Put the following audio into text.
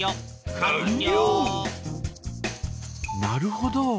なるほど。